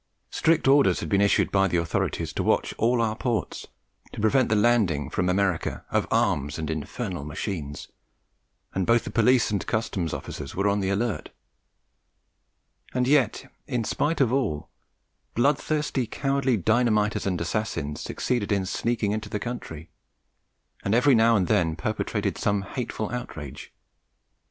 Strict orders had been issued by the authorities to watch all our ports to prevent the landing from America of arms and infernal machines, and both the police and Customs officers were on the alert; and yet, in spite of all, bloodthirsty, cowardly dynamiters and assassins succeeded in sneaking into the country, and every now and then perpetrated some hateful outrage.